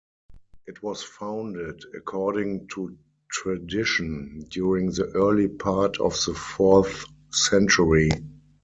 It was founded, according to tradition, during the early part of the fourth century.